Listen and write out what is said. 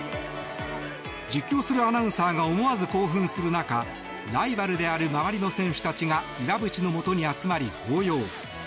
実況するアナウンサーが思わず興奮する中ライバルである周りの選手たちが岩渕のもとに集まり、抱擁。